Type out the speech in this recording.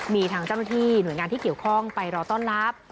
มีทางเจ้าหน้าที่หน่วยงานที่เกี่ยวข้องไปรอต้อนรับ